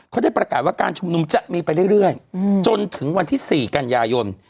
เขาได้ประกาศว่าการชุมนุมจะมีไปเรื่อยจนถึงวันที่๔กันยายน